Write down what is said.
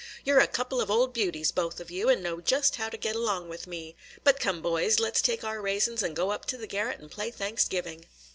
You 're a couple of old beauties, both of you, and know just how to get along with me. But come, boys, let 's take our raisins and go up in the garret and play Thanksgiving."